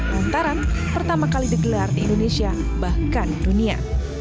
lantaran pertama kali digelar di indonesia bahkan dunia